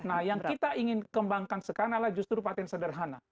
nah yang kita ingin kembangkan sekarang adalah justru patent sederhana